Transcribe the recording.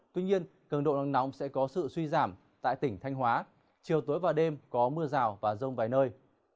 tuy nhiên cường độ nắng nóng sẽ có sự suy giảm tại tỉnh thanh hóa chiều tối và đêm có mưa rào và rông vài nơi